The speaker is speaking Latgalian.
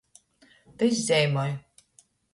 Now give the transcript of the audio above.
Tys zeimoj.